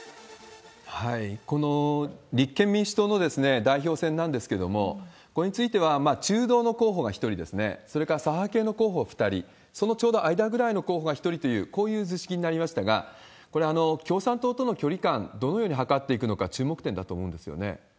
この立憲民主党の代表戦なんですけれども、これについては中道の候補が１人ですね、それから左派系の候補２人、そのちょうど間くらいの候補が１人という、こういう図式になりましたが、これ、共産党との距離感、どのように測っていくのか、注目点だと思うんですよね。